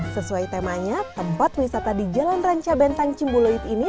sesuai temanya tempat wisata di jalan rancabensang cimbuluit ini